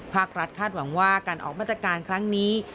ภาครัฐคาดหวังว่าการออกมาตรการครั้งนี้